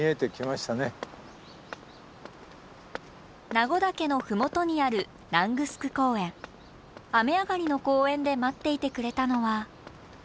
名護岳の麓にある雨上がりの公園で待っていてくれたのは。